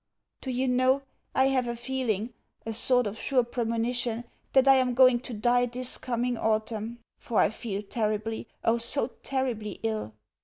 Do you know, I have a feeling, a sort of sure premonition, that I am going to die this coming autumn; for I feel terribly, oh so terribly ill!